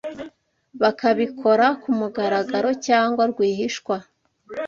bakabikora ku mugaragaro cyangwa rwihishwa,